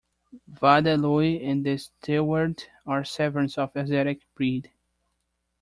Wada, Louis, and the steward are servants of Asiatic breed.